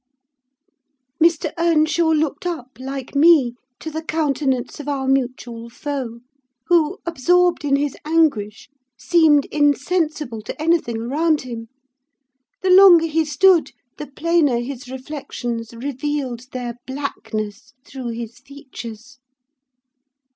"Mr. Earnshaw looked up, like me, to the countenance of our mutual foe; who, absorbed in his anguish, seemed insensible to anything around him: the longer he stood, the plainer his reflections revealed their blackness through his features.